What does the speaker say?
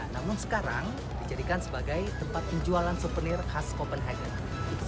namun sekarang dijadikan sebagai tempat penjualan souvenir khas copenhagen